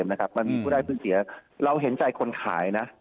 มันมีผู้ได้ผู้เสียเราเห็นใจคนขายนะ